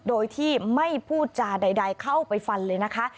โดยที่ไม่พูดจาใดเข้าไปฟันเลยนะคะ